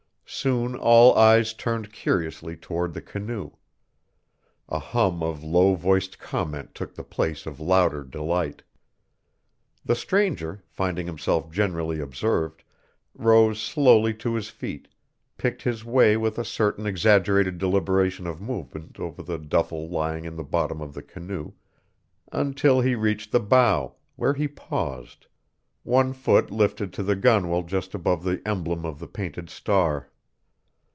Soon all eyes turned curiously toward the canoe. A hum of low voiced comment took the place of louder delight. The stranger, finding himself generally observed, rose slowly to his feet, picked his way with a certain exaggerated deliberation of movement over the duffel lying in the bottom of the canoe, until he reached the bow, where he paused, one foot lifted to the gunwale just above the emblem of the painted star.